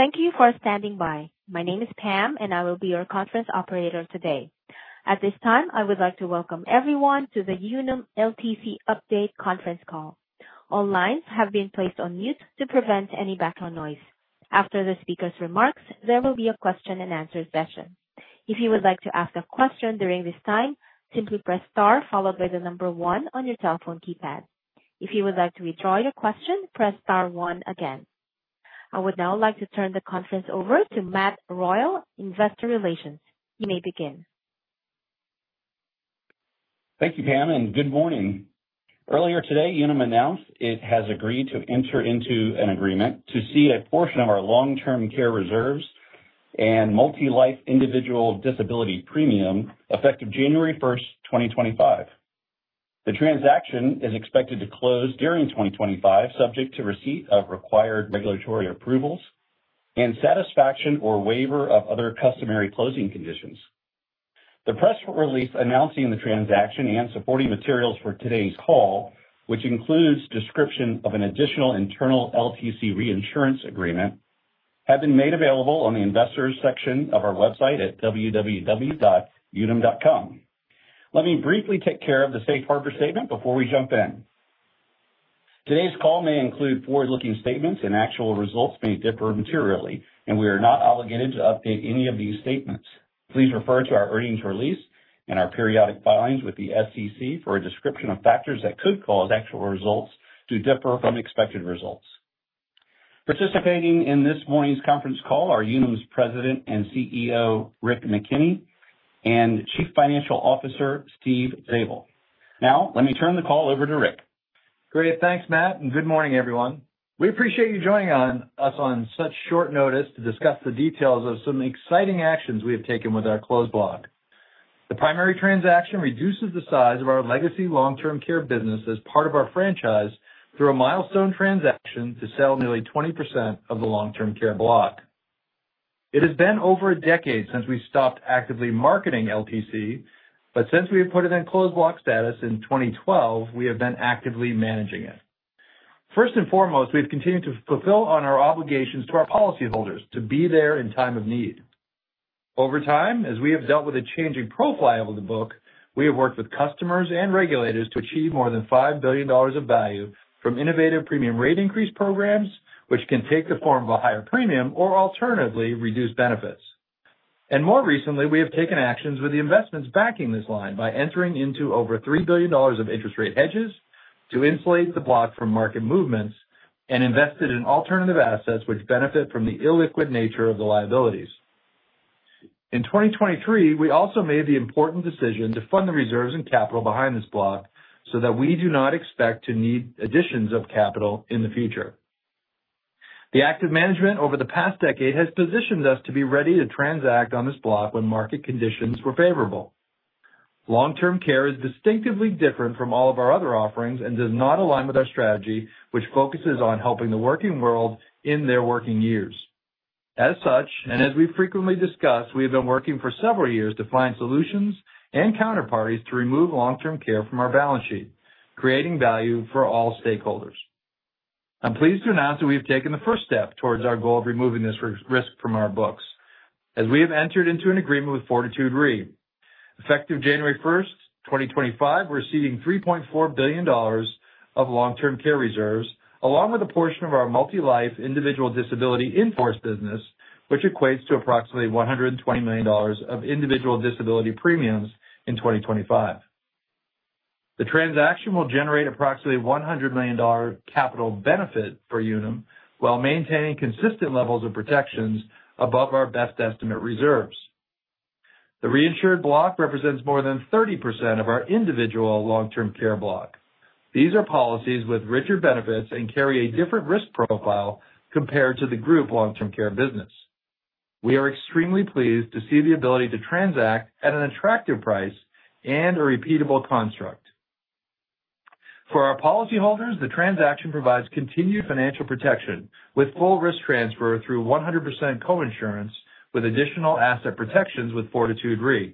Thank you for standing by. My name is Pam, and I will be your conference operator today. At this time, I would like to welcome everyone to the Unum LTC update conference call. All lines have been placed on mute to prevent any background noise. After the speaker's remarks, there will be a question-and-answer session. If you would like to ask a question during this time, simply press star followed by the number one on your telephone keypad. If you would like to withdraw your question, press star one again. I would now like to turn the conference over to Matt Royal, Investor Relations. You may begin. Thank you, Pam, and good morning. Earlier today, Unum announced it has agreed to enter into an agreement to cede a portion of our long-term care reserves and Multi-Life individual disability premium effective January 1st, 2025. The transaction is expected to close during 2025, subject to receipt of required regulatory approvals and satisfaction or waiver of other customary closing conditions. The press release announcing the transaction and supporting materials for today's call, which includes a description of an additional internal LTC reinsurance agreement, have been made available on the investors' section of our website at www.unum.com. Let me briefly take care of the Safe Harbor Statement before we jump in. Today's call may include forward-looking statements, and actual results may differ materially, and we are not obligated to update any of these statements. Please refer to our earnings release and our periodic filings with the SEC for a description of factors that could cause actual results to differ from expected results. Participating in this morning's conference call are Unum's President and CEO, Rick McKenney, and Chief Financial Officer, Steve Zabel. Now, let me turn the call over to Rick. Great. Thanks, Matt, and good morning, everyone. We appreciate you joining us on such short notice to discuss the details of some exciting actions we have taken with our Closed Block. The primary transaction reduces the size of our legacy long-term care business as part of our franchise through a milestone transaction to sell nearly 20% of the long-term care block. It has been over a decade since we stopped actively marketing LTC, but since we have put it in Closed Block status in 2012, we have been actively managing it. First and foremost, we have continued to fulfill on our obligations to our policyholders to be there in time of need. Over time, as we have dealt with a changing profile of the book, we have worked with customers and regulators to achieve more than $5 billion of value from innovative premium rate increase programs, which can take the form of a higher premium or alternatively reduce benefits, and more recently, we have taken actions with the investments backing this line by entering into over $3 billion of interest rate hedges to insulate the block from market movements and invested in alternative assets which benefit from the illiquid nature of the liabilities. In 2023, we also made the important decision to fund the reserves and capital behind this block so that we do not expect to need additions of capital in the future. The active management over the past decade has positioned us to be ready to transact on this block when market conditions were favorable. Long-term care is distinctively different from all of our other offerings and does not align with our strategy, which focuses on helping the working world in their working years. As such, and as we've frequently discussed, we have been working for several years to find solutions and counterparties to remove long-term care from our balance sheet, creating value for all stakeholders. I'm pleased to announce that we have taken the first step towards our goal of removing this risk from our books as we have entered into an agreement with Fortitude Re. Effective January 1st, 2025, we're receiving $3.4 billion of long-term care reserves along with a portion of our Multi-Life individual disability in-force business, which equates to approximately $120 million of individual disability premiums in 2025. The transaction will generate approximately $100 million capital benefit for Unum while maintaining consistent levels of protections above our best estimate reserves. The reinsured block represents more than 30% of our individual long-term care block. These are policies with richer benefits and carry a different risk profile compared to the group long-term care business. We are extremely pleased to see the ability to transact at an attractive price and a repeatable construct. For our policyholders, the transaction provides continued financial protection with full risk transfer through 100% coinsurance with additional asset protections with Fortitude Re,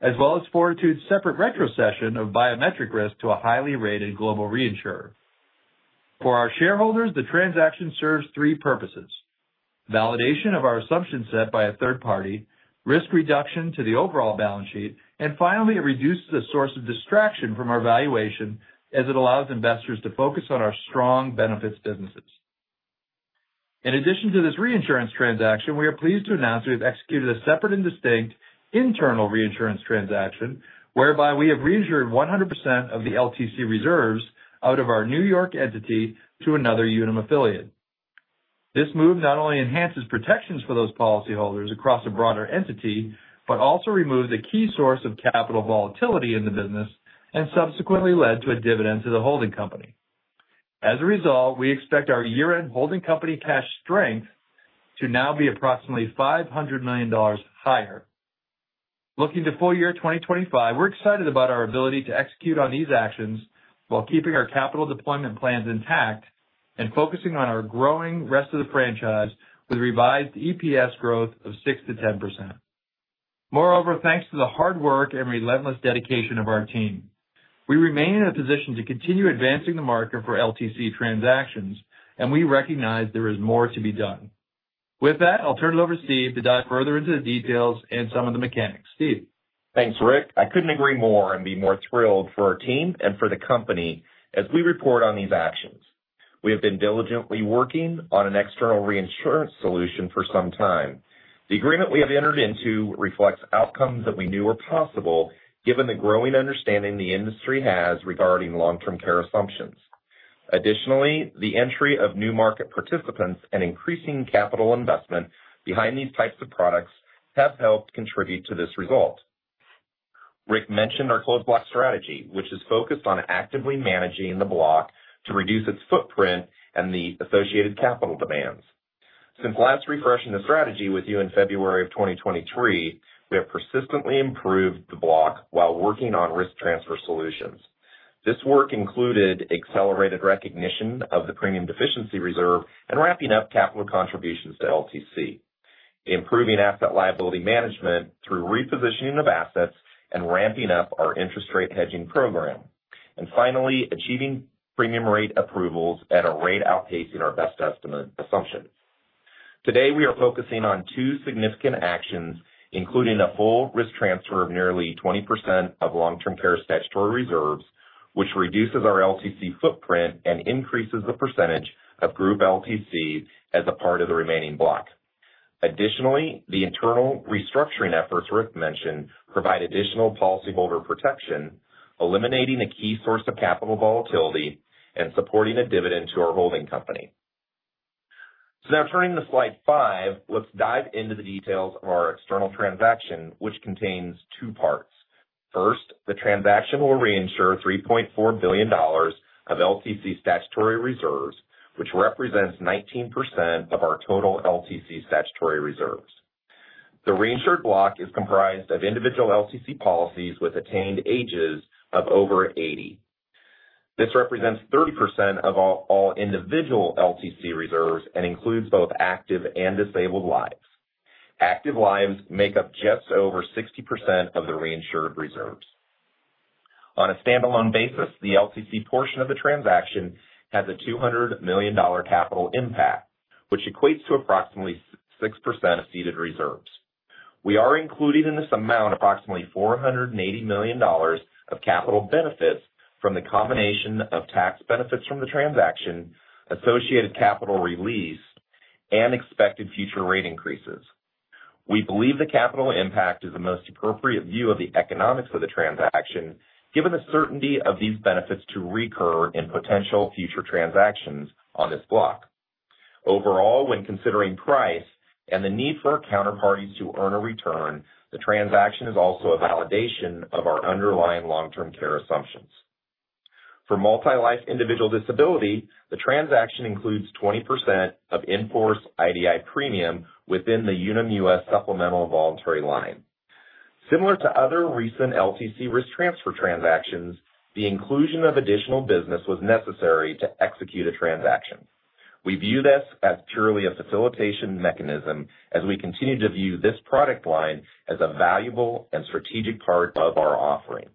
as well as Fortitude's separate retrocession of biometric risk to a highly rated global reinsurer. For our shareholders, the transaction serves three purposes: validation of our assumption set by a third party, risk reduction to the overall balance sheet, and finally, it reduces the source of distraction from our valuation as it allows investors to focus on our strong benefits businesses. In addition to this reinsurance transaction, we are pleased to announce we have executed a separate and distinct internal reinsurance transaction whereby we have reinsured 100% of the LTC reserves out of our New York entity to another Unum affiliate. This move not only enhances protections for those policyholders across a broader entity, but also removed the key source of capital volatility in the business and subsequently led to a dividend to the holding company. As a result, we expect our year-end holding company cash strength to now be approximately $500 million higher. Looking to full year 2025, we're excited about our ability to execute on these actions while keeping our capital deployment plans intact and focusing on our growing rest of the franchise with revised EPS growth of 6%-10%. Moreover, thanks to the hard work and relentless dedication of our team, we remain in a position to continue advancing the market for LTC transactions, and we recognize there is more to be done. With that, I'll turn it over to Steve to dive further into the details and some of the mechanics. Steve. Thanks, Rick. I couldn't agree more and be more thrilled for our team and for the company as we report on these actions. We have been diligently working on an external reinsurance solution for some time. The agreement we have entered into reflects outcomes that we knew were possible given the growing understanding the industry has regarding long-term care assumptions. Additionally, the entry of new market participants and increasing capital investment behind these types of products have helped contribute to this result. Rick mentioned our Closed Block strategy, which is focused on actively managing the block to reduce its footprint and the associated capital demands. Since last refreshing the strategy with you in February of 2023, we have persistently improved the block while working on risk transfer solutions. This work included accelerated recognition of the premium deficiency reserve and wrapping up capital contributions to LTC, improving asset liability management through repositioning of assets and ramping up our interest rate hedging program, and finally, achieving premium rate approvals at a rate outpacing our best estimate assumption. Today, we are focusing on two significant actions, including a full risk transfer of nearly 20% of long-term care statutory reserves, which reduces our LTC footprint and increases the percentage of group LTC as a part of the remaining block. Additionally, the internal restructuring efforts Rick mentioned provide additional policyholder protection, eliminating a key source of capital volatility and supporting a dividend to our holding company. So now, turning to slide five, let's dive into the details of our external transaction, which contains two parts. First, the transaction will reinsure $3.4 billion of LTC statutory reserves, which represents 19% of our total LTC statutory reserves. The reinsured block is comprised of individual LTC policies with attained ages of over 80. This represents 30% of all individual LTC reserves and includes both active and disabled lives. Active lives make up just over 60% of the reinsured reserves. On a standalone basis, the LTC portion of the transaction has a $200 million capital impact, which equates to approximately 6% of ceded reserves. We are included in this amount, approximately $480 million of capital benefits from the combination of tax benefits from the transaction, associated capital release, and expected future rate increases. We believe the capital impact is the most appropriate view of the economics of the transaction, given the certainty of these benefits to recur in potential future transactions on this block. Overall, when considering price and the need for our counterparties to earn a return, the transaction is also a validation of our underlying long-term care assumptions. For Multi-Life individual disability, the transaction includes 20% of in-force IDI premium within the Unum US supplemental voluntary line. Similar to other recent LTC risk transfer transactions, the inclusion of additional business was necessary to execute a transaction. We view this as purely a facilitation mechanism as we continue to view this product line as a valuable and strategic part of our offering.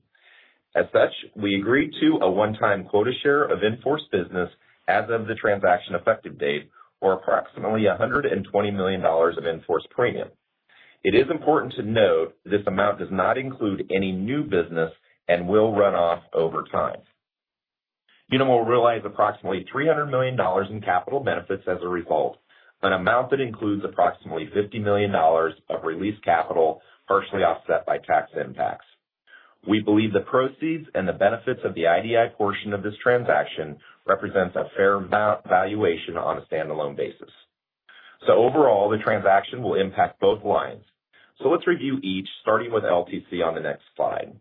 As such, we agreed to a one-time quota share of in-force business as of the transaction effective date, or approximately $120 million of in-force premium. It is important to note this amount does not include any new business and will run off over time. Unum will realize approximately $300 million in capital benefits as a result, an amount that includes approximately $50 million of released capital, partially offset by tax impacts. We believe the proceeds and the benefits of the IDI portion of this transaction represent a fair valuation on a standalone basis, so overall, the transaction will impact both lines, so let's review each, starting with LTC on the next slide.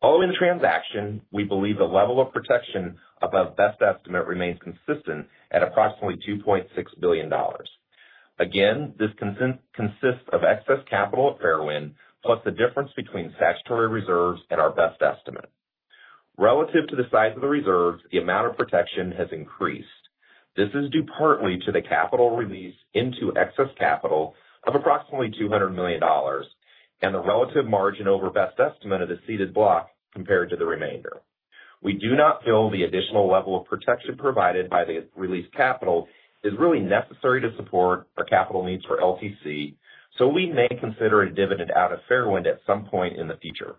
Following the transaction, we believe the level of protection above best estimate remains consistent at approximately $2.6 billion. Again, this consists of excess capital at Fairwind, plus the difference between statutory reserves and our best estimate. Relative to the size of the reserves, the amount of protection has increased. This is due partly to the capital released into excess capital of approximately $200 million and the relative margin over best estimate of the ceded block compared to the remainder. We do not feel the additional level of protection provided by the released capital is really necessary to support our capital needs for LTC, so we may consider a dividend out of Fairwind at some point in the future.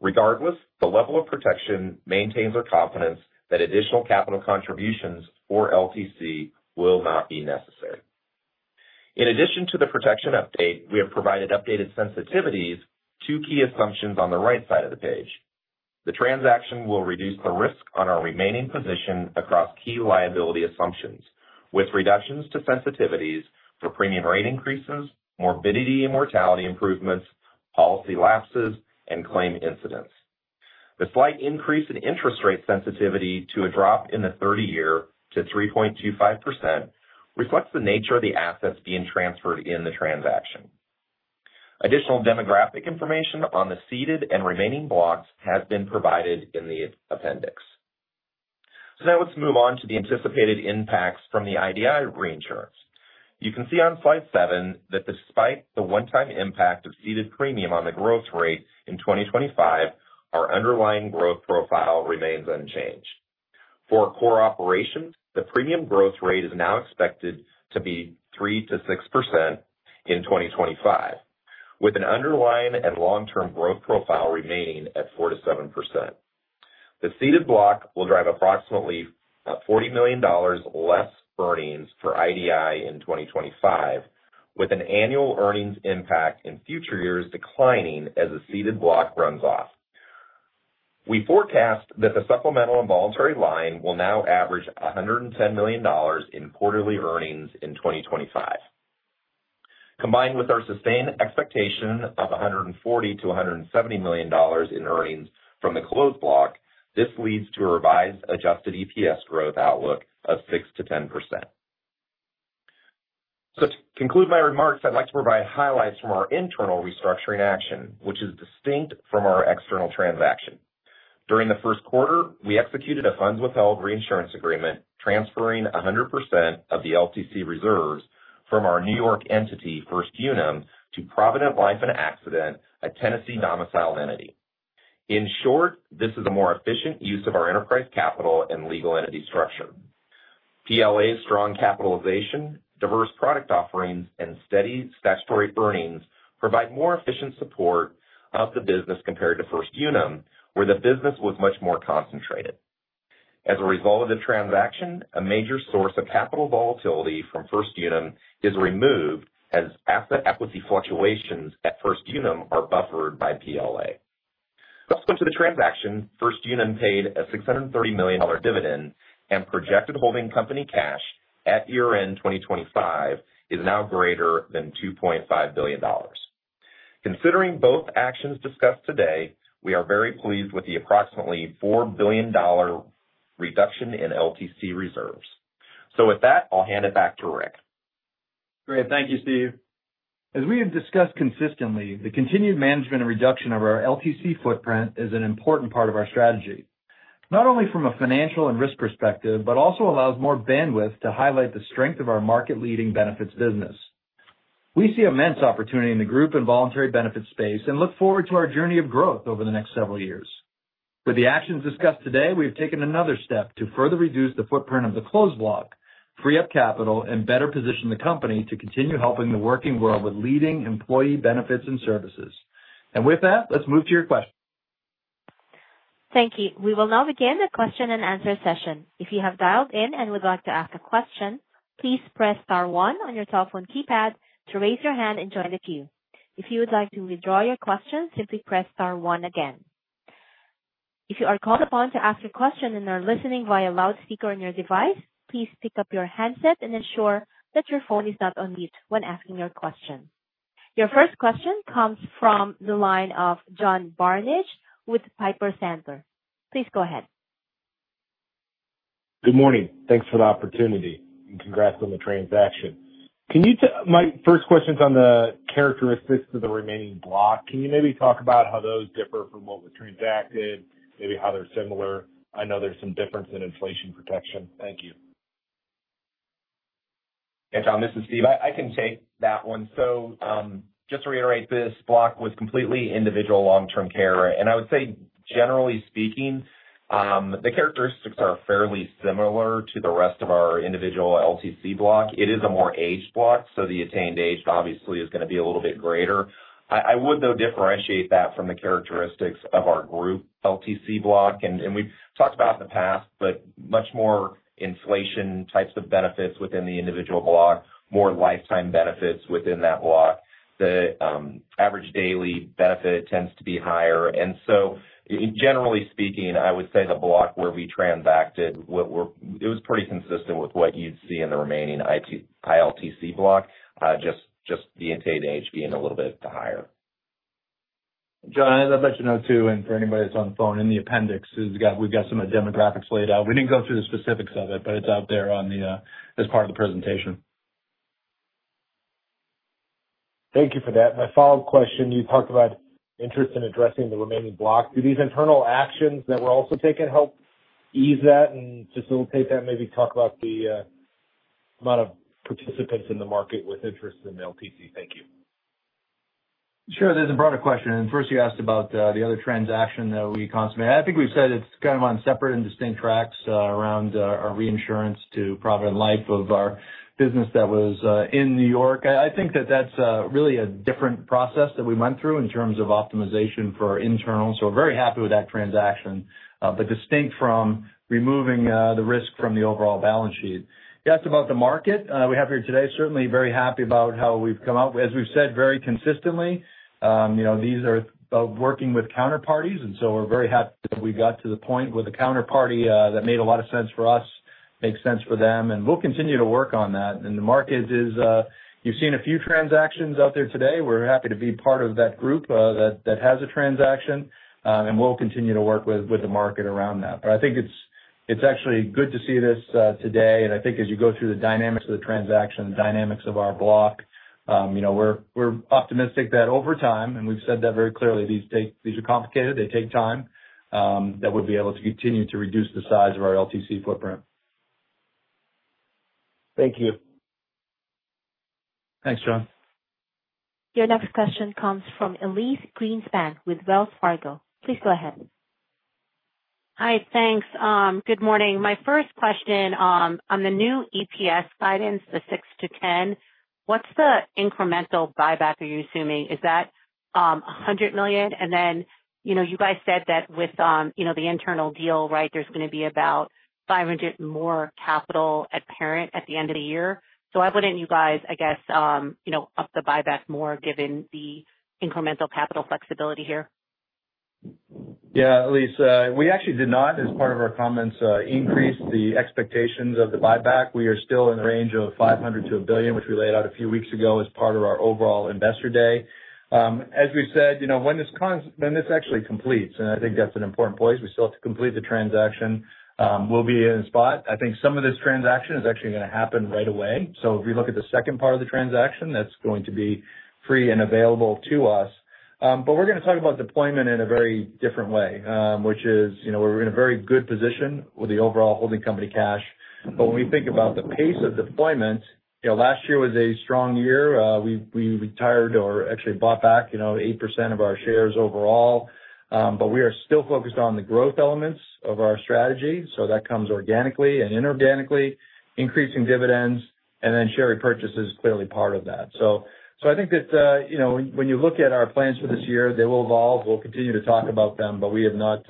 Regardless, the level of protection maintains our confidence that additional capital contributions for LTC will not be necessary. In addition to the protection update, we have provided updated sensitivities to key assumptions on the right side of the page. The transaction will reduce the risk on our remaining position across key liability assumptions, with reductions to sensitivities for premium rate increases, morbidity and mortality improvements, policy lapses, and claim incidents. The slight increase in interest rate sensitivity to a drop in the 30-year to 3.25% reflects the nature of the assets being transferred in the transaction. Additional demographic information on the ceded and remaining blocks has been provided in the appendix. So now let's move on to the anticipated impacts from the IDI reinsurance. You can see on slide seven that despite the one-time impact of ceded premium on the growth rate in 2025, our underlying growth profile remains unchanged. For core operations, the premium growth rate is now expected to be 3%-6% in 2025, with an underlying and long-term growth profile remaining at 4%-7%. The ceded block will drive approximately $40 million less earnings for IDI in 2025, with an annual earnings impact in future years declining as the ceded block runs off. We forecast that the supplemental and voluntary line will now average $110 million in quarterly earnings in 2025. Combined with our sustained expectation of $140-$170 million in earnings from the Closed Block, this leads to a revised adjusted EPS growth outlook of 6%-10%. So to conclude my remarks, I'd like to provide highlights from our internal restructuring action, which is distinct from our external transaction. During the first quarter, we executed a funds withheld reinsurance agreement, transferring 100% of the LTC reserves from our New York entity, First Unum, to Provident Life and Accident, a Tennessee domiciled entity. In short, this is a more efficient use of our enterprise capital and legal entity structure. PLA's strong capitalization, diverse product offerings, and steady statutory earnings provide more efficient support of the business compared to First Unum, where the business was much more concentrated. As a result of the transaction, a major source of capital volatility from First Unum is removed as asset equity fluctuations at First Unum are buffered by PLA. Let's go to the transaction. First Unum paid a $630 million dividend, and projected holding company cash at year-end 2025 is now greater than $2.5 billion. Considering both actions discussed today, we are very pleased with the approximately $4 billion reduction in LTC reserves. So with that, I'll hand it back to Rick. Great. Thank you, Steve. As we have discussed consistently, the continued management and reduction of our LTC footprint is an important part of our strategy, not only from a financial and risk perspective, but also allows more bandwidth to highlight the strength of our market-leading benefits business. We see immense opportunity in the group and voluntary benefits space and look forward to our journey of growth over the next several years. With the actions discussed today, we have taken another step to further reduce the footprint of the Closed Block, free up capital, and better position the company to continue helping the working world with leading employee benefits and services, and with that, let's move to your question. Thank you. We will now begin the question and answer session. If you have dialed in and would like to ask a question, please press star one on your telephone keypad to raise your hand and join the queue. If you would like to withdraw your question, simply press star one again. If you are called upon to ask a question and are listening via loudspeaker on your device, please pick up your headset and ensure that your phone is not on mute when asking your question. Your first question comes from the line of John Barnidge with Piper Sandler. Please go ahead. Good morning. Thanks for the opportunity and congrats on the transaction. My first question is on the characteristics of the remaining block. Can you maybe talk about how those differ from what was transacted, maybe how they're similar? I know there's some difference in inflation protection. Thank you. Hey, John, this is Steve. I can take that one. So just to reiterate, this block was completely individual long-term care. And I would say, generally speaking, the characteristics are fairly similar to the rest of our individual LTC block. It is a more aged block, so the attained age, obviously, is going to be a little bit greater. I would, though, differentiate that from the characteristics of our group LTC block. And we've talked about in the past, but much more inflation types of benefits within the individual block, more lifetime benefits within that block. The average daily benefit tends to be higher. And so, generally speaking, I would say the block where we transacted, it was pretty consistent with what you'd see in the remaining ILTC block, just the attained age being a little bit higher. John, I'd like to note too, and for anybody that's on the phone, in the appendix, we've got some demographics laid out. We didn't go through the specifics of it, but it's out there as part of the presentation. Thank you for that. My follow-up question, you talked about interest in addressing the remaining block. Do these internal actions that we're also taking help ease that and facilitate that? Maybe talk about the amount of participants in the market with interest in LTC. Thank you. Sure. There's a broader question. And first, you asked about the other transaction that we consummate. I think we've said it's kind of on separate and distinct tracks around our reinsurance to Provident Life of our business that was in New York. I think that that's really a different process that we went through in terms of optimization for internal. So we're very happy with that transaction, but distinct from removing the risk from the overall balance sheet. You asked about the market we have here today. Certainly very happy about how we've come out. As we've said, very consistently, these are about working with counterparties. And so we're very happy that we got to the point where the counterparty that made a lot of sense for us makes sense for them. And we'll continue to work on that. The market is. You've seen a few transactions out there today. We're happy to be part of that group that has a transaction. We'll continue to work with the market around that. But I think it's actually good to see this today. I think as you go through the dynamics of the transaction, the dynamics of our block, we're optimistic that over time, and we've said that very clearly, these are complicated. They take time. We'll be able to continue to reduce the size of our LTC footprint. Thank you. Thanks, John. Your next question comes from Elyse Greenspan with Wells Fargo. Please go ahead. Hi, thanks. Good morning. My first question on the new EPS guidance, the $6-$10, what's the incremental buyback are you assuming? Is that $100 million? And then you guys said that with the internal deal, right, there's going to be about $500 million more capital at parent at the end of the year. So why wouldn't you guys, I guess, up the buyback more given the incremental capital flexibility here? Yeah, Elyse, we actually did not, as part of our comments, increase the expectations of the buyback. We are still in the range of $500 million-$1 billion, which we laid out a few weeks ago as part of our overall investor day. As we've said, when this actually completes, and I think that's an important place, we still have to complete the transaction, we'll be in a spot. I think some of this transaction is actually going to happen right away. If we look at the second part of the transaction, that's going to be free and available to us. But we're going to talk about deployment in a very different way, which is we're in a very good position with the overall holding company cash. But when we think about the pace of deployment, last year was a strong year. We retired or actually bought back 8% of our shares overall. But we are still focused on the growth elements of our strategy. So that comes organically and inorganically, increasing dividends, and then share repurchase is clearly part of that. So I think that when you look at our plans for this year, they will evolve. We'll continue to talk about them, but we have not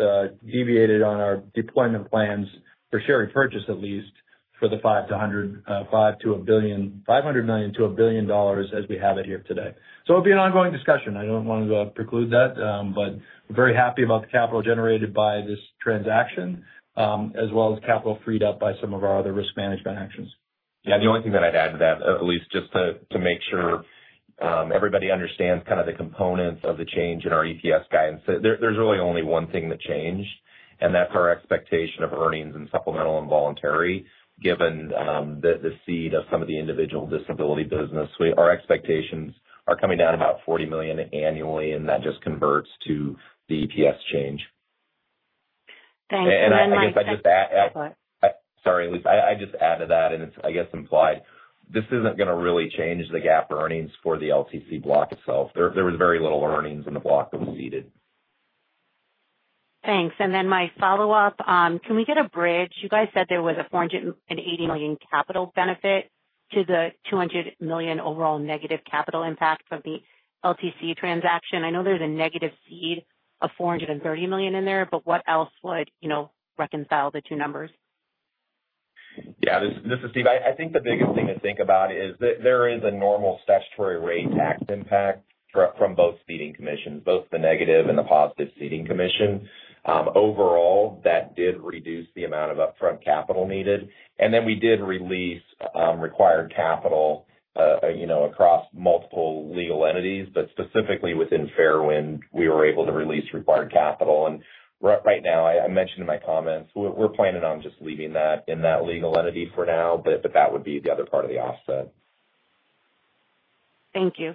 deviated on our deployment plans for share repurchase, at least for the $500 million-$1 billion as we have it here today. So it'll be an ongoing discussion. I don't want to preclude that, but we're very happy about the capital generated by this transaction, as well as capital freed up by some of our other risk management actions. Yeah, the only thing that I'd add to that, Elyse, just to make sure everybody understands kind of the components of the change in our EPS guidance. There's really only one thing that changed, and that's our expectation of earnings and supplemental and voluntary, given the ceding of some of the individual disability business. Our expectations are coming down about $40 million annually, and that just converts to the EPS change. Thanks. And then my next question. Sorry, Elyse. I just added that, and it's, I guess, implied. This isn't going to really change the gap earnings for the LTC block itself. There was very little earnings in the block that was ceded. Thanks. And then my follow-up, can we get a bridge? You guys said there was a $480 million capital benefit to the $200 million overall negative capital impact of the LTC transaction. I know there's a negative ceding of $430 million in there, but what else would reconcile the two numbers? Yeah, this is Steve. I think the biggest thing to think about is there is a normal statutory tax rate impact from both ceding commissions, both the negative and the positive ceding commission. Overall, that did reduce the amount of upfront capital needed. And then we did release required capital across multiple legal entities, but specifically within Fairwind, we were able to release required capital. And right now, I mentioned in my comments, we're planning on just leaving that in that legal entity for now, but that would be the other part of the offset. Thank you.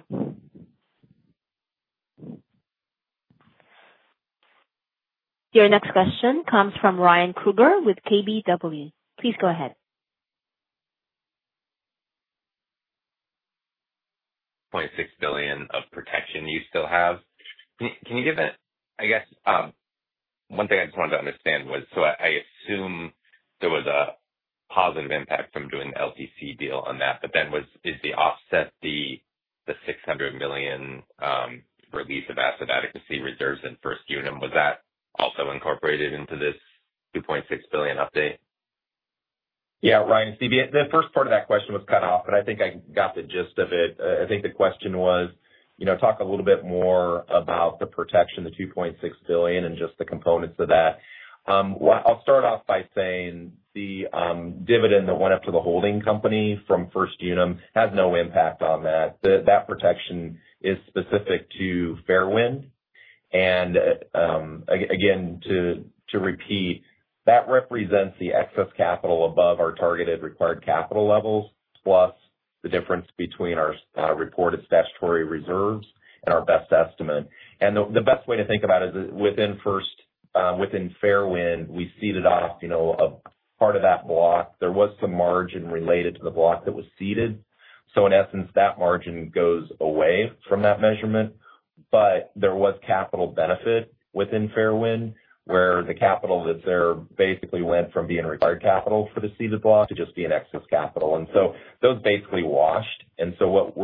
Your next question comes from Ryan Krueger with KBW. Please go ahead. $2.6 billion of protection you still have. Can you give it? I guess, one thing I just wanted to understand was, so I assume there was a positive impact from doing the LTC deal on that, but then is the offset, the $600 million release of asset adequacy reserves in First Unum, was that also incorporated into this $2.6 billion update? Yeah, Ryan, Steve, the first part of that question was cut off, but I think I got the gist of it. I think the question was, talk a little bit more about the protection, the $2.6 billion, and just the components of that. I'll start off by saying the dividend that went up to the holding company from First Unum has no impact on that. That protection is specific to Fairwind. And again, to repeat, that represents the excess capital above our targeted required capital levels, plus the difference between our reported statutory reserves and our best estimate. And the best way to think about it is within Fairwind, we ceded off part of that block. There was some margin related to the block that was ceded. So in essence, that margin goes away from that measurement. But there was capital benefit within Fairwind, where the capital that's there basically went from being required capital for the ceded block to just being excess capital. And so those basically washed. And so what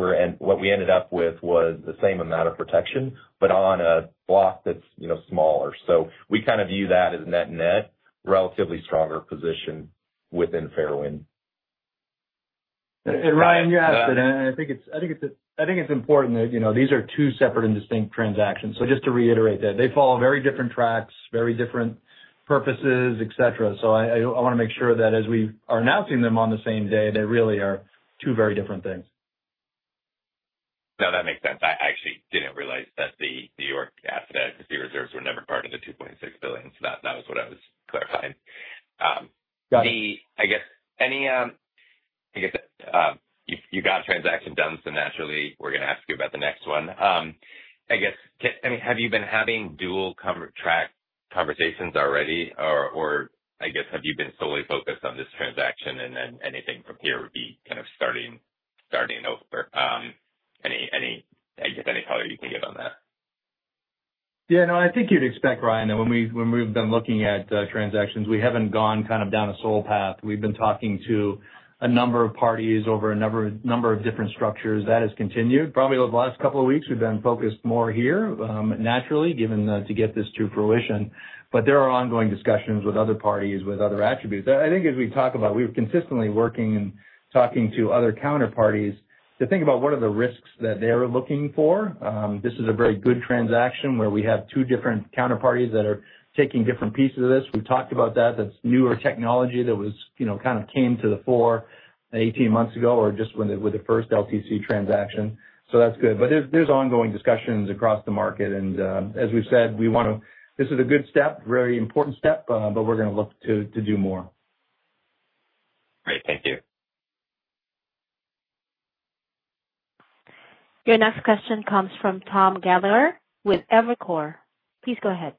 we ended up with was the same amount of protection, but on a block that's smaller. So we kind of view that as net-net relatively stronger position within Fairwind. And Ryan, you asked it, and I think it's important that these are two separate and distinct transactions. So just to reiterate that, they follow very different tracks, very different purposes, etc. So I want to make sure that as we are announcing them on the same day, they really are two very different things. No, that makes sense. I actually didn't realize that the New York asset reserves were never part of the $2.6 billion. So that was what I was clarifying. Got it. I guess, I guess you got a transaction done, so naturally, we're going to ask you about the next one. I guess, I mean, have you been having dual track conversations already? Or I guess, have you been solely focused on this transaction? And then anything from here would be kind of starting over. Any, I guess, any color you can get on that? Yeah, no, I think you'd expect, Ryan, that when we've been looking at transactions, we haven't gone kind of down a sole path. We've been talking to a number of parties over a number of different structures. That has continued. Probably over the last couple of weeks, we've been focused more here, naturally, given to get this to fruition. But there are ongoing discussions with other parties, with other attributes. I think as we talk about, we were consistently working and talking to other counterparties to think about what are the risks that they're looking for. This is a very good transaction where we have two different counterparties that are taking different pieces of this. We've talked about that. That's newer technology that kind of came to the fore 18 months ago or just with the first LTC transaction. So that's good. But there's ongoing discussions across the market. And as we've said, we want to. This is a good step, very important step, but we're going to look to do more. Great. Thank you. Your next question comes from Tom Gallagher with Evercore. Please go ahead.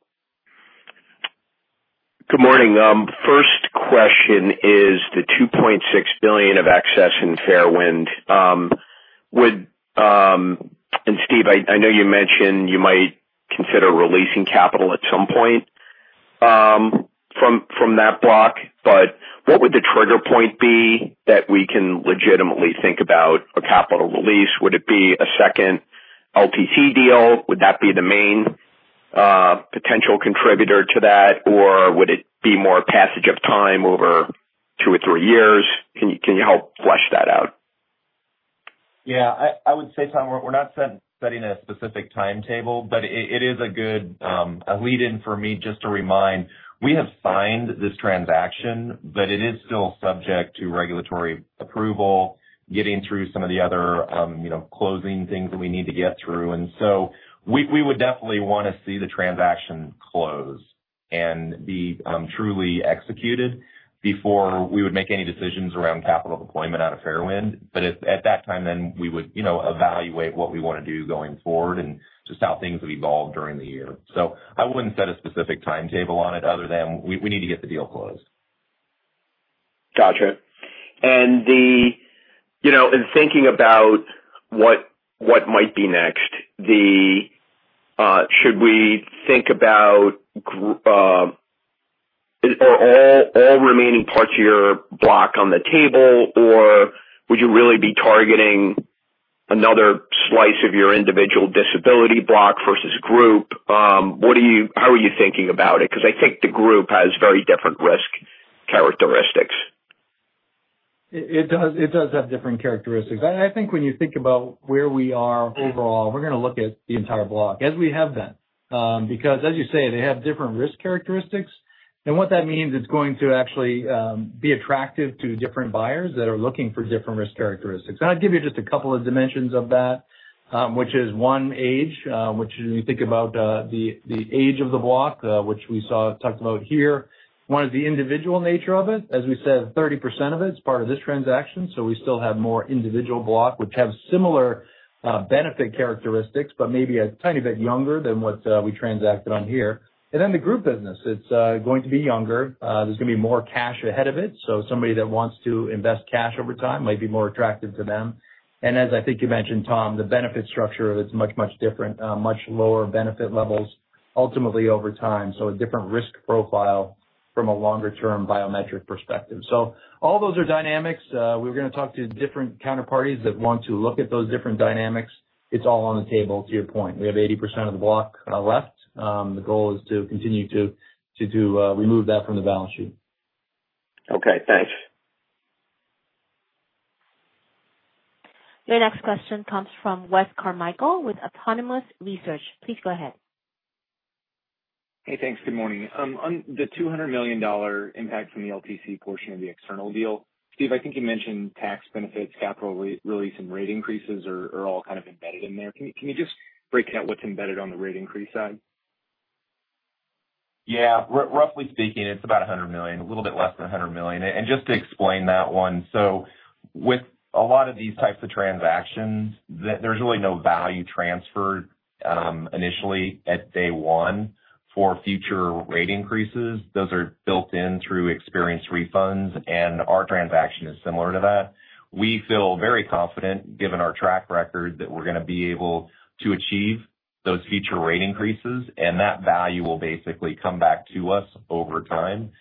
Good morning. First question is the $2.6 billion of excess in Fairwind. And Steve, I know you mentioned you might consider releasing capital at some point from that block, but what would the trigger point be that we can legitimately think about a capital release? Would it be a second LTC deal? Would that be the main potential contributor to that? Or would it be more passage of time over two or three years? Can you help flesh that out? Yeah, I would say, Tom, we're not setting a specific timetable, but it is a good lead-in for me just to remind, we have signed this transaction, but it is still subject to regulatory approval, getting through some of the other closing things that we need to get through. And so we would definitely want to see the transaction close and be truly executed before we would make any decisions around capital deployment out of Fairwind. But at that time, then we would evaluate what we want to do going forward and just how things have evolved during the year. So I wouldn't set a specific timetable on it other than we need to get the deal closed. Gotcha. And in thinking about what might be next, should we think about all remaining parts of your block on the table, or would you really be targeting another slice of your individual disability block versus group? How are you thinking about it? Because I think the group has very different risk characteristics. It does have different characteristics. I think when you think about where we are overall, we're going to look at the entire block as we have been. Because as you say, they have different risk characteristics. And what that means is it's going to actually be attractive to different buyers that are looking for different risk characteristics. And I'll give you just a couple of dimensions of that, which is one, age, which you think about the age of the block, which we talked about here. One is the individual nature of it. As we said, 30% of it is part of this transaction. So we still have more individual block, which have similar benefit characteristics, but maybe a tiny bit younger than what we transacted on here. And then the group business, it's going to be younger. There's going to be more cash ahead of it. So somebody that wants to invest cash over time might be more attractive to them. And as I think you mentioned, Tom, the benefit structure of it is much, much different, much lower benefit levels ultimately over time. So a different risk profile from a longer-term biometric perspective. So all those are dynamics. We're going to talk to different counterparties that want to look at those different dynamics. It's all on the table to your point. We have 80% of the block left. The goal is to continue to remove that from the balance sheet. Okay. Thanks. Your next question comes from Wes Carmichael with Autonomous Research. Please go ahead. Hey, thanks. Good morning. The $200 million impact from the LTC portion of the external deal, Steve, I think you mentioned tax benefits, capital release, and rate increases are all kind of embedded in there. Can you just break out what's embedded on the rate increase side? Yeah. Roughly speaking, it's about $100 million, a little bit less than $100 million. And just to explain that one, so with a lot of these types of transactions, there's really no value transferred initially at day one for future rate increases. Those are built in through experience refunds, and our transaction is similar to that. We feel very confident, given our track record, that we're going to be able to achieve those future rate increases, and that value will basically come back to us over time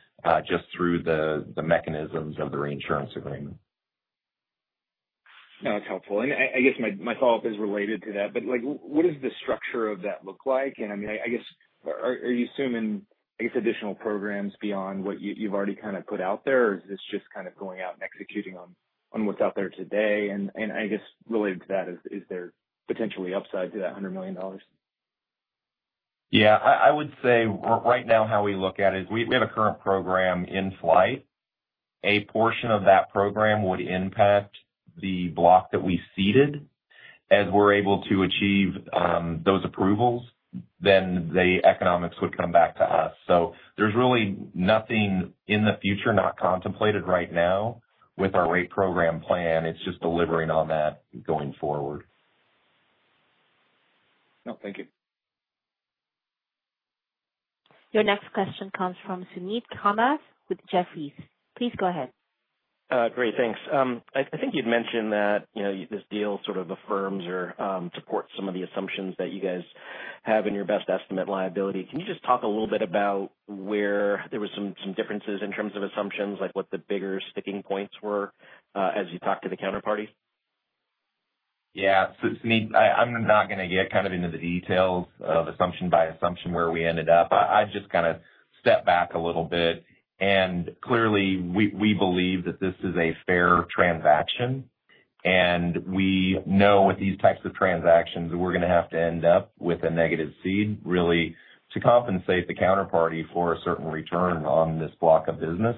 just through the mechanisms of the reinsurance agreement. That's helpful. And I guess my follow-up is related to that, but what does the structure of that look like? And I mean, I guess, are you assuming, I guess, additional programs beyond what you've already kind of put out there, or is this just kind of going out and executing on what's out there today? And I guess related to that, is there potentially upside to that $100 million? Yeah. I would say right now, how we look at it is we have a current program in flight. A portion of that program would impact the block that we ceded. As we're able to achieve those approvals, then the economics would come back to us. So there's really nothing in the future not contemplated right now with our rate program plan. It's just delivering on that going forward. No, thank you. Your next question comes from Sunit Kamath with Jefferies. Please go ahead. Great. Thanks. I think you'd mentioned that this deal sort of affirms or supports some of the assumptions that you guys have in your best estimate liability. Can you just talk a little bit about where there were some differences in terms of assumptions, like what the bigger sticking points were as you talked to the counterparty? Yeah. So, Sunit, I'm not going to get kind of into the details of assumption by assumption where we ended up. I just kind of stepped back a little bit. And clearly, we believe that this is a fair transaction. And we know with these types of transactions, we're going to have to end up with a negative ceding really to compensate the counterparty for a certain return on this block of business.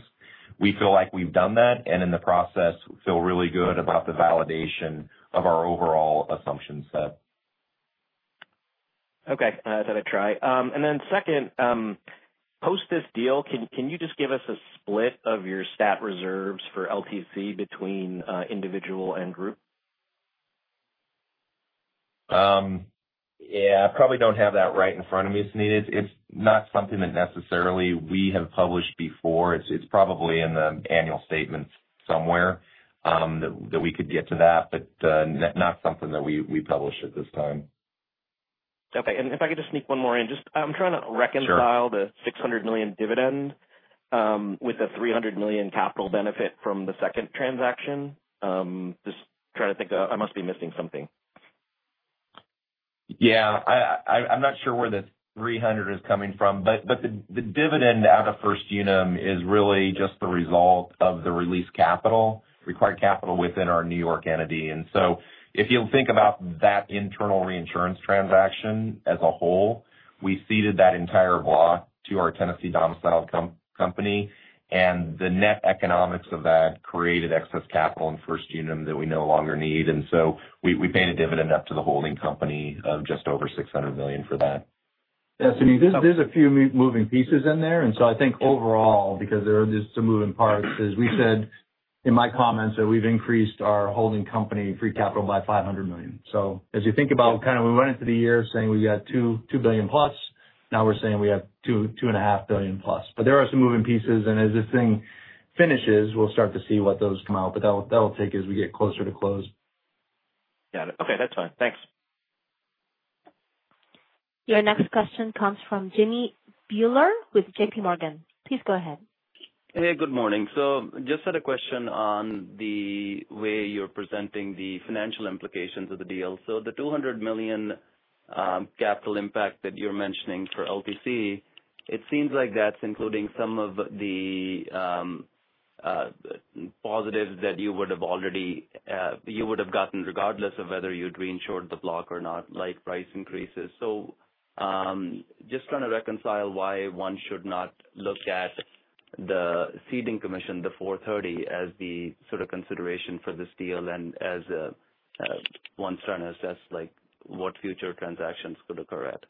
We feel like we've done that, and in the process, feel really good about the validation of our overall assumption set. Okay. I'll try. And then second, post this deal, can you just give us a split of your stat reserves for LTC between individual and group? Yeah. I probably don't have that right in front of me, Sunit. It's not something that necessarily we have published before. It's probably in the annual statements somewhere that we could get to that, but not something that we publish at this time. Okay. And if I could just sneak one more in. I'm trying to reconcile the $600 million dividend with the $300 million capital benefit from the second transaction. Just trying to think, I must be missing something. Yeah. I'm not sure where the $300 million is coming from, but the dividend out of First Unum is really just the result of the release capital, required capital within our New York entity. If you think about that internal reinsurance transaction as a whole, we ceded that entire block to our Tennessee domiciled company, and the net economics of that created excess capital in First Unum that we no longer need. We paid a dividend up to the holding company of just over $600 million for that. Yeah. Sunit, there's a few moving pieces in there. And so I think overall, because there are just some moving parts, as we said in my comments, that we've increased our holding company free capital by $500 million. So as you think about kind of when we went into the year saying we got $2 billion plus, now we're saying we have $2.5 billion plus. But there are some moving pieces. And as this thing finishes, we'll start to see what those come out. But that'll take as we get closer to close. Got it. Okay. That's fine. Thanks. Your next question comes from Jimmy Bhullar with J.P. Morgan. Please go ahead. Hey, good morning. So just had a question on the way you're presenting the financial implications of the deal. So the $200 million capital impact that you're mentioning for LTC, it seems like that's including some of the positives that you would have already gotten regardless of whether you'd reinsured the block or not, like price increases. So just trying to reconcile why one should not look at the ceding commission, the $430 million, as the sort of consideration for this deal and as one's trying to assess what future transactions could occur at.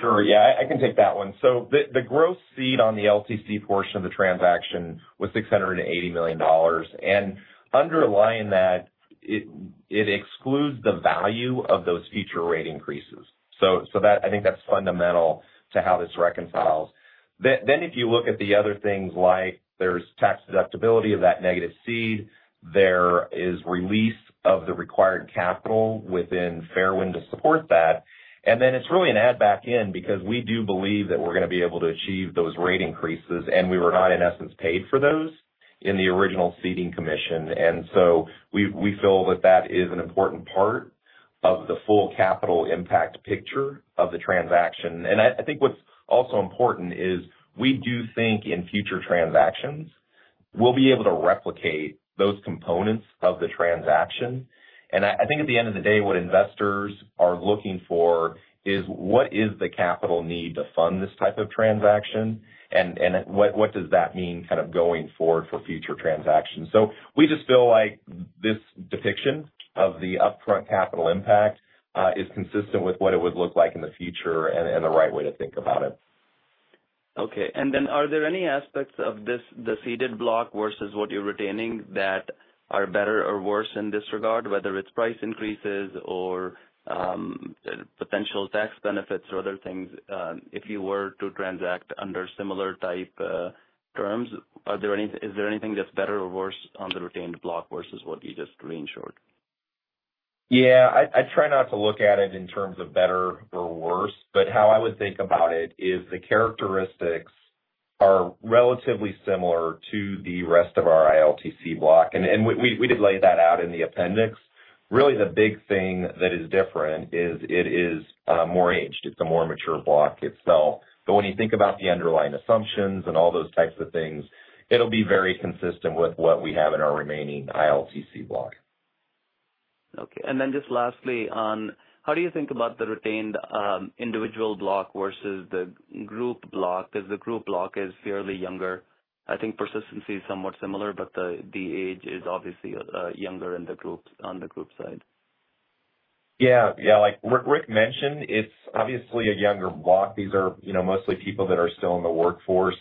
Sure. Yeah. I can take that one. So the gross ceding on the LTC portion of the transaction was $680 million. And underlying that, it excludes the value of those future rate increases. So I think that's fundamental to how this reconciles. Then if you look at the other things like there's tax deductibility of that negative ceding, there is release of the required capital within Fairwind to support that. And then it's really an add-back in because we do believe that we're going to be able to achieve those rate increases, and we were not, in essence, paid for those in the original ceding commission. And so we feel that that is an important part of the full capital impact picture of the transaction. And I think what's also important is we do think in future transactions, we'll be able to replicate those components of the transaction. And I think at the end of the day, what investors are looking for is what is the capital need to fund this type of transaction, and what does that mean kind of going forward for future transactions. So we just feel like this depiction of the upfront capital impact is consistent with what it would look like in the future and the right way to think about it. Okay. And then are there any aspects of the ceded block versus what you're retaining that are better or worse in this regard, whether it's price increases or potential tax benefits or other things? If you were to transact under similar type terms, is there anything that's better or worse on the retained block versus what you just reinsured? Yeah. I try not to look at it in terms of better or worse, but how I would think about it is the characteristics are relatively similar to the rest of our ILTC block. And we did lay that out in the appendix. Really, the big thing that is different is it is more aged. It's a more mature block itself. But when you think about the underlying assumptions and all those types of things, it'll be very consistent with what we have in our remaining ILTC block. Okay. And then just lastly, how do you think about the retained individual block versus the group block? Because the group block is fairly younger. I think persistency is somewhat similar, but the age is obviously younger on the group side. Yeah. Yeah. Like Rick mentioned, it's obviously a younger block. These are mostly people that are still in the workforce.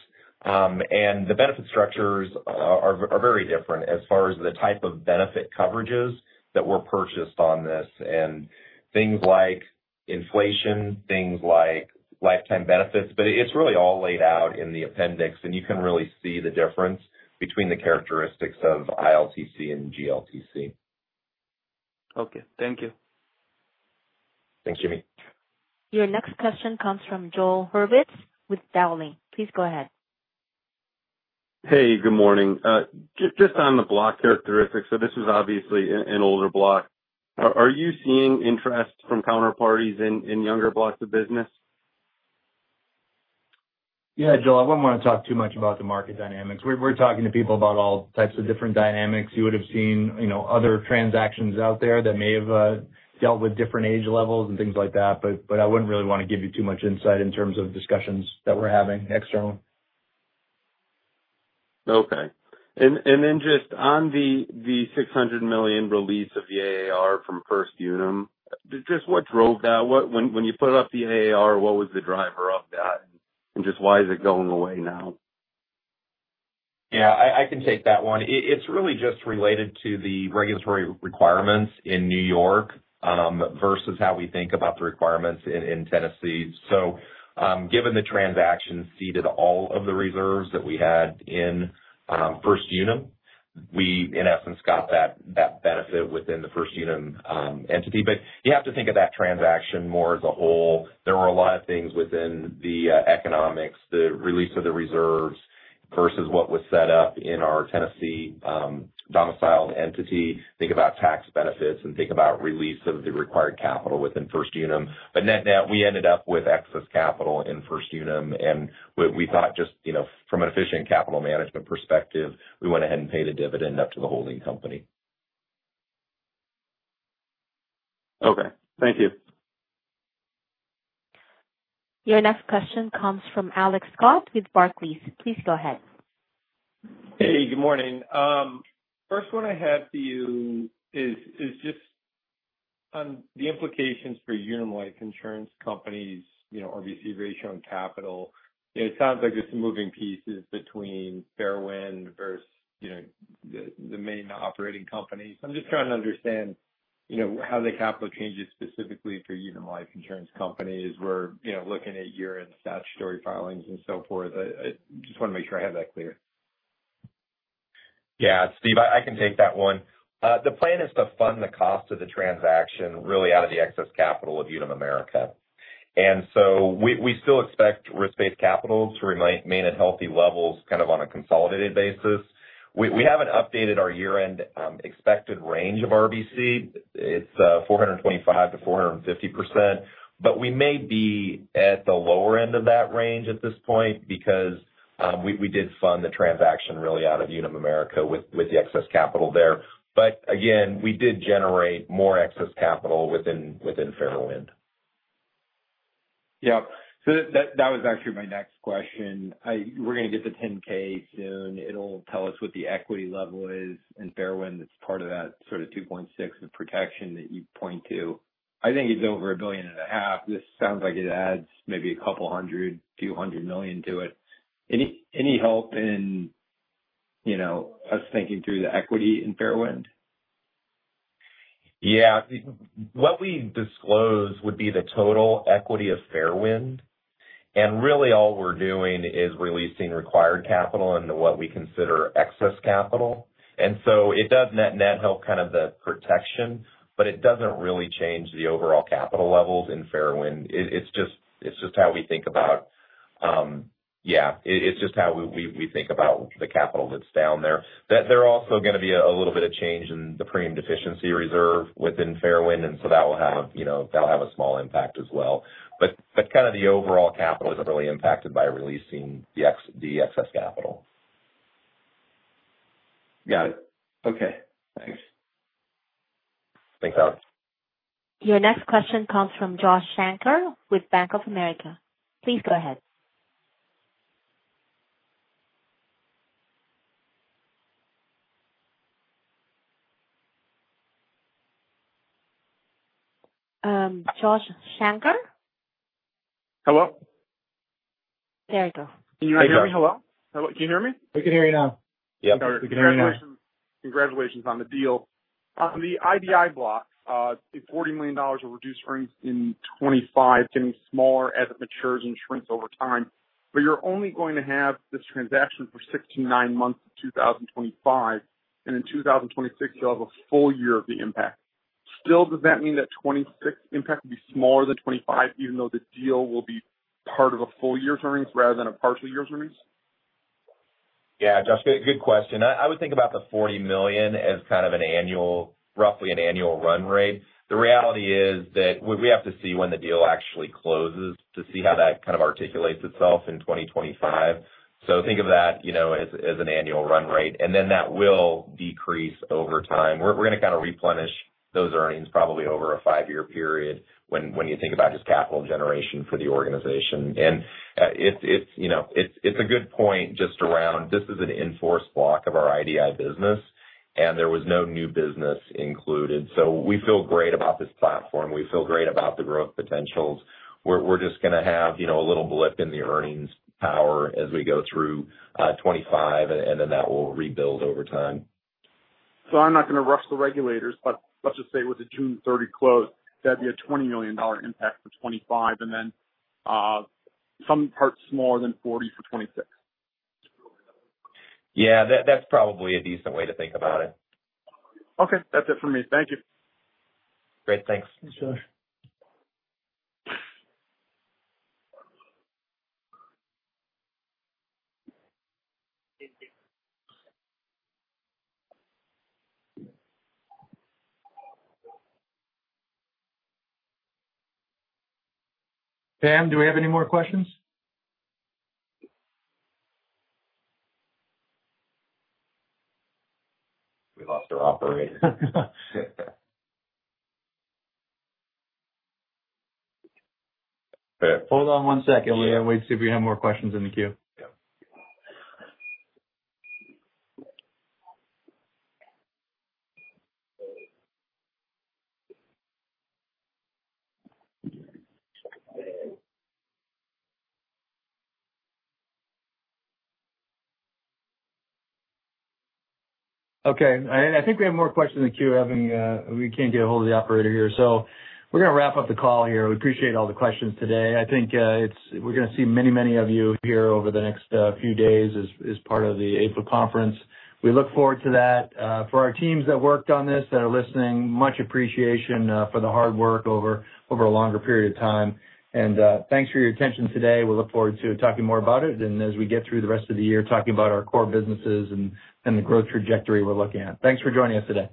And the benefit structures are very different as far as the type of benefit coverages that were purchased on this and things like inflation, things like lifetime benefits. But it's really all laid out in the appendix, and you can really see the difference between the characteristics of ILTC and GLTC. Okay. Thank you. Thanks, Jimmy. Your next question comes from Joel Hurwitz with Dowling. Please go ahead. Hey, good morning. Just on the block characteristics, so this was obviously an older block. Are you seeing interest from counterparties in younger blocks of business? Yeah, Joel, I wouldn't want to talk too much about the market dynamics. We're talking to people about all types of different dynamics. You would have seen other transactions out there that may have dealt with different age levels and things like that. But I wouldn't really want to give you too much insight in terms of discussions that we're having external. Okay. And then just on the $600 million release of the AAR from First Unum, just what drove that? When you put up the AAR, what was the driver of that? And just why is it going away now? Yeah. I can take that one. It's really just related to the regulatory requirements in New York versus how we think about the requirements in Tennessee. So given the transaction ceded all of the reserves that we had in First Unum, we, in essence, got that benefit within the First Unum entity. But you have to think of that transaction more as a whole. There were a lot of things within the economics, the release of the reserves versus what was set up in our Tennessee domiciled entity. Think about tax benefits and think about release of the required capital within First Unum. But we ended up with excess capital in First Unum, and we thought just from an efficient capital management perspective, we went ahead and paid a dividend up to the holding company. Okay. Thank you. Your next question comes from Alex Scott with Barclays. Please go ahead. Hey, good morning. First one I have for you is just on the implications for Unum Life Insurance Company's, RBC ratio and capital. It sounds like there's some moving pieces between Fairwind versus the main operating company. So I'm just trying to understand how the capital changes specifically for Unum Life Insurance Company's .We're looking at year-end statutory filings and so forth. I just want to make sure I have that clear. Yeah. Steve, I can take that one. The plan is to fund the cost of the transaction really out of the excess capital of Unum US. And so we still expect risk-based capital to remain at healthy levels kind of on a consolidated basis. We haven't updated our year-end expected range of RBC. It's 425%-450%, but we may be at the lower end of that range at this point because we did fund the transaction really out of Unum US with the excess capital there. But again, we did generate more excess capital within Fairwind. Yep. So that was actually my next question. We're going to get the 10-K soon. It'll tell us what the equity level is. And Fairwind, that's part of that sort of 2.6 of protection that you point to. I think it's over a billion and a half. This sounds like it adds maybe a couple hundred, few hundred million to it. Any help in us thinking through the equity in Fairwind? Yeah. What we disclose would be the total equity of Fairwind, and really, all we're doing is releasing required capital into what we consider excess capital, and so it does net help kind of the protection, but it doesn't really change the overall capital levels in Fairwind. It's just how we think about the capital that's down there. There are also going to be a little bit of change in the Premium Deficiency Reserve within Fairwind, and so that will have a small impact as well, but kind of the overall capital isn't really impacted by releasing the excess capital. Got it. Okay. Thanks. Thanks, Alex. Your next question comes from Josh Shanker with Bank of America. Please go ahead. Josh Shanker? Hello? There you go. Can you hear me? Hello? Can you hear me? We can hear you now. Yep. We can hear you now. Congratulations on the deal. On the IDI block, it's $40 million of reduced earnings in 2025. Getting smaller as it matures and shrinks over time. But you're only going to have this transaction for six to nine months in 2025, and in 2026, you'll have a full year of the impact. Still, does that mean that 2026 impact will be smaller than 2025, even though the deal will be part of a full year's earnings rather than a partial year's earnings? Yeah, Josh, good question. I would think about the $40 million as kind of roughly an annual run rate. The reality is that we have to see when the deal actually closes to see how that kind of articulates itself in 2025. So think of that as an annual run rate. And then that will decrease over time. We're going to kind of replenish those earnings probably over a five-year period when you think about just capital generation for the organization. And it's a good point just around this is an in-force block of our IDI business, and there was no new business included. So we feel great about this platform. We feel great about the growth potentials. We're just going to have a little blip in the earnings power as we go through 2025, and then that will rebuild over time. I'm not going to rush the regulators, but let's just say with the June 30 close, that'd be a $20 million impact for 2025, and then somewhat smaller than $40 million for 2026. Yeah. That's probably a decent way to think about it. Okay. That's it for me. Thank you. Great. Thanks. Thanks, Josh. Pam, do we have any more questions? We lost our operator. Hold on one second. We'll wait and see if we have more questions in the queue. Yep. Okay. I think we have more questions in the queue. We can't get a hold of the operator here. So we're going to wrap up the call here. We appreciate all the questions today. I think we're going to see many, many of you here over the next few days as part of the AGA conference. We look forward to that. For our teams that worked on this, that are listening, much appreciation for the hard work over a longer period of time. And thanks for your attention today. We'll look forward to talking more about it and as we get through the rest of the year talking about our core businesses and the growth trajectory we're looking at. Thanks for joining us today.